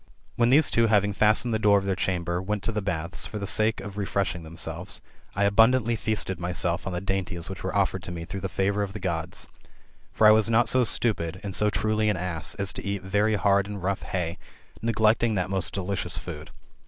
When these two having fastened the door of their chamber, went to the baths, for the sake of refreshing themselves, I abundantly feasted myself on the dainties which were offered to me through the favour of the Gods. For I was not so stupid, and so truly an ass, as to eat very hard and rough hay, neglecting that most delicious food.